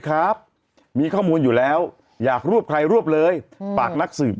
ครับมีข้อมูลอยู่แล้วอยากรวบใครรวบเลยฝากนักสืบ